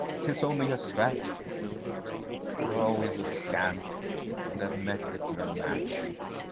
'tis only a scratch (You were always a scamp and have met with your match!)